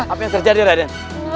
apa yang terjadi raden